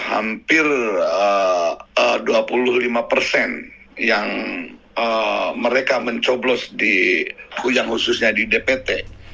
hampir dua puluh lima persen yang mereka mencoblos yang khususnya di dpt